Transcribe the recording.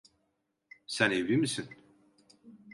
Sen evli misin?